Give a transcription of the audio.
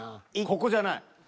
ここじゃない。